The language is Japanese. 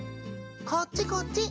・こっちこっち！